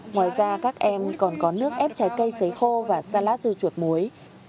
ngoài ra các em còn có nước ép trái cây sấy khô và salad dư chuột muối